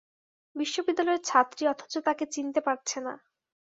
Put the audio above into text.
বিশ্ববিদ্যালয়ের ছাত্রী অথচ তাঁকে চিনতে পারছে না।